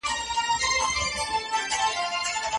راځئ چي ټول په ګډه زده کړه وکړو.